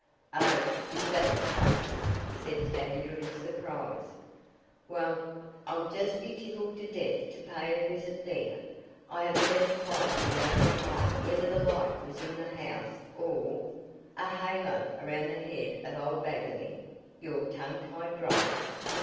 "Oh, is that the place?" said Tavia in surprise. "Well, I'll just be tickled to death to pay a visit there. I have never quite made up my mind whether the light was in the house or " "A halo around the head of old Bagley, your tongue tied driver.